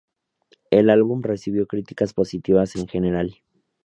El álbum recibió críticas positivas en general.